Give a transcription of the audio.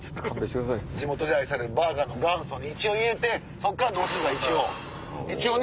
地元で愛されるバーガーの元祖一応入れてそっからどうするか一応一応ね。